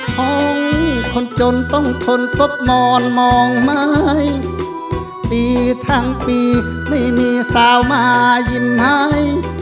ห้องคนจนต้องทนตบมอนมองไม้ปีทั้งปีไม่มีสาวมายิ้มให้